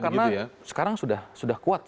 karena sekarang sudah kuat